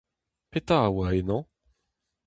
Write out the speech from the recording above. Petra a oa ennañ ?